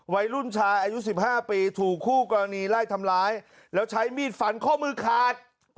วัยรุ่นชายอายุ๑๕ปีถูกคู่กรณีไล่ทำร้ายแล้วใช้มีดฟันข้อมือขาด